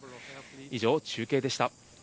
以上、中継でした。